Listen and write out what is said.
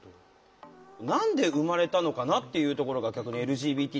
何で生まれたのかなっていうところが逆にＬＧＢＴって言葉が。